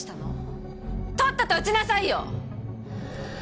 とっとと撃ちなさいよ！